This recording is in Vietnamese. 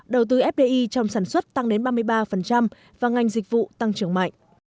đầu tư fdi trong sản xuất tăng đến ba mươi ba và ngành dịch vụ tăng trưởng mạnh